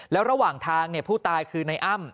แล้วระหว่างทางผู้ตายคือในอ้ำ